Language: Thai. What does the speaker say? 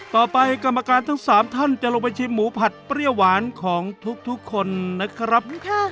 กรรมการทั้ง๓ท่านจะลงไปชิมหมูผัดเปรี้ยวหวานของทุกคนนะครับ